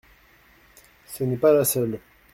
Ce n’est pas la seule.